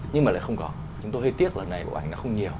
nhưng mà lại không có chúng tôi hơi tiếc lần này bộ ảnh nó không nhiều